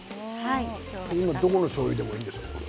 どこのしょうゆでもいいですか？